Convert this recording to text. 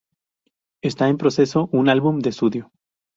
Esta en proceso un álbum de estudio.